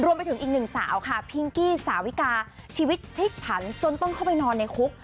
รวมไปถึงอีกหนึ่งสาวค่ะพิงกี้สาวิกาชีวิตพลิกผันจนต้องเข้าไปนอนในคุก